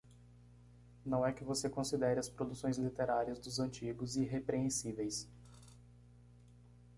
Não é que você considere as produções literárias dos antigos irrepreensíveis.